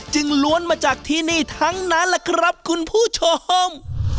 ล้วนมาจากที่นี่ทั้งนั้นแหละครับคุณผู้ชม